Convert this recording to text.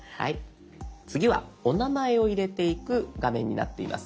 次はお名前を入れていく画面になっています。